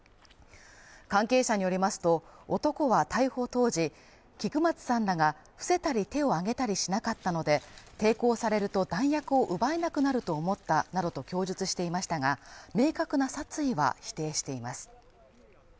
関係者によりますと、男は逮捕当時、菊松さんらが伏せたり手を挙げたりしなかったので抵抗されると弾薬を奪えなくなると思ったなどと供述していましたが、明確な殺意は否定しています。